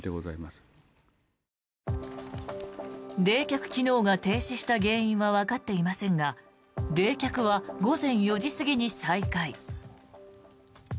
冷却機能が停止した原因はわかっていませんが冷却は午前４時過ぎに再開。